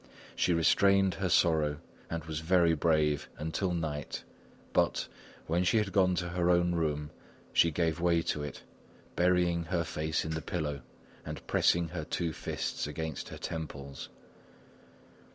She restrained her sorrow and was very brave until night; but, when she had gone to her own room, she gave way to it, burying her face in the pillow and pressing her two fists against her temples.